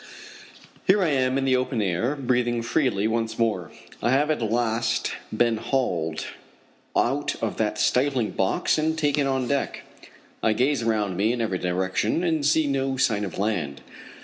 Here I am in the open air, breathing freely once more. I have at last been hauled out of that stifling box and taken on deck. I gaze around me in every direction and see no sign of land.